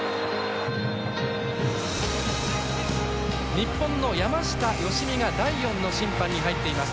日本の山下良美が第４の審判に入っています。